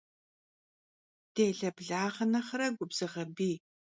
Dêle blağe nexhre gubzığe biy.